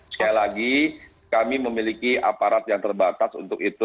sekali lagi kami memiliki aparat yang terbatas untuk itu